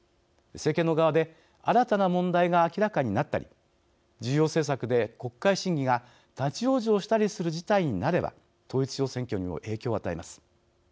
政権の側で、新たな問題が明らかになったり、重要政策で国会審議が立往生したりする事態になれば、統一地方選挙にも影響を与えます。